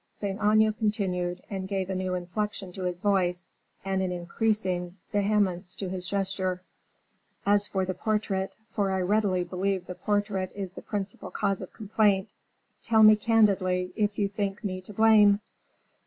Saint Aignan continued, and gave a new inflection to his voice, and an increasing vehemence to his gesture: "As for the portrait, for I readily believe the portrait is the principal cause of complaint, tell me candidly if you think me to blame?